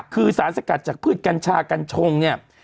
คือสารสกัดจากพืชกัญชากัญชงเนี่ย